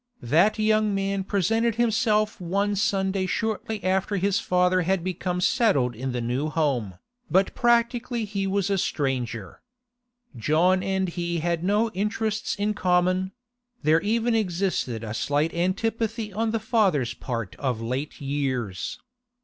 That young man presented himself one Sunday shortly after his father had become settled in the new home, but practically he was a stranger. John and he had no interests in common; there even existed a slight antipathy on the father's part of late years.